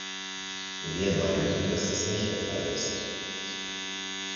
Wir meinen, dass das nicht der Fall ist.